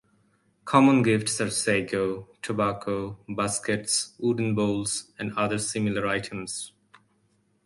Common gifts are sago, tobacco, baskets, wooden bowls, and other similar items.